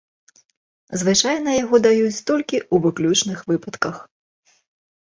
Звычайна яго даюць толькі ў выключных выпадках.